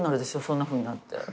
そんなふうになって。